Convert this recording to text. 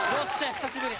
久しぶり。